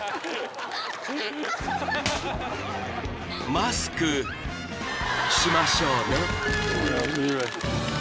［マスクしましょうね］